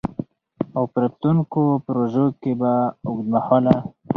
او په راتلونکو پروژو کي به د اوږدمهاله